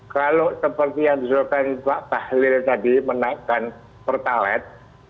kalau seperti yang disuruhkan pak bahlil tadi menaikkan pertalat